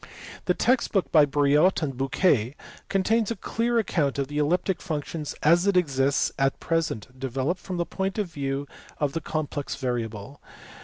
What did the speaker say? The text book by Briot and Bouquet contains a clear account of elliptic functions as it exists at present, developed from the point of view of the complex variable.